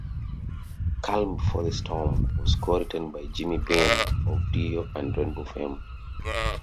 "Calm Before the Storm" was co-written by Jimmy Bain of Dio and Rainbow fame.